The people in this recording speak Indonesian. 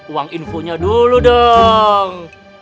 uang infonya dulu dong